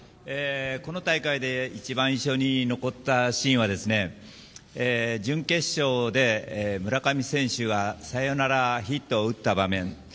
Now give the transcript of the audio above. この大会で一番印象に残ったシーンは準決勝で村上選手がサヨナラヒットを打った場面。